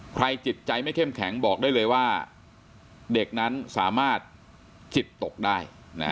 จิตใจไม่เข้มแข็งบอกได้เลยว่าเด็กนั้นสามารถจิตตกได้